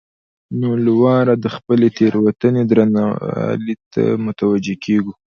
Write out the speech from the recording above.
نو له واره د خپلې تېروتنې درونوالي ته متوجه کېږو.